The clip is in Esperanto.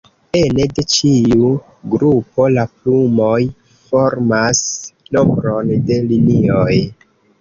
Ene de ĉiu grupo, la plumoj formas nombron de linioj.